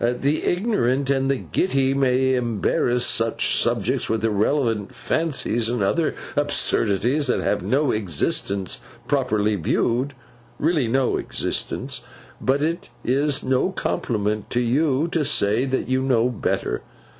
The ignorant and the giddy may embarrass such subjects with irrelevant fancies, and other absurdities that have no existence, properly viewed—really no existence—but it is no compliment to you to say, that you know better.